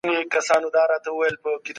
د خصوصي سکتور فعالیتونه د ستایلو وړ دي.